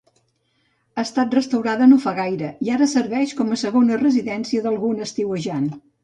Ha estat restaurada no fa gaire, i ara serveix com a segona residència d'algun estiuejant.